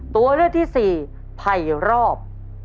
ตัวเลือกที่สี่ไผ่รอบ